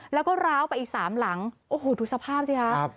แล้วก็ร้าวไปอีกสามหลังโอ้โหดูสภาพสิคะ